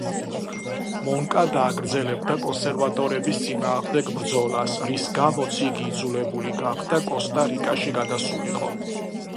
მონკადა აგრძელებდა კონსერვატორების წინააღმდეგ ბრძოლას, რის გამოც იგი იძულებული გახდა კოსტა-რიკაში გადასულიყო.